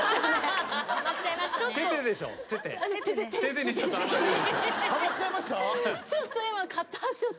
ちょっと今。